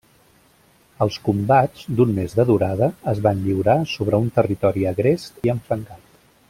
Els combats, d'un mes de durada, es van lliurar sobre un territori agrest i enfangat.